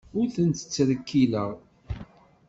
Ur tent-ttrekkileɣ.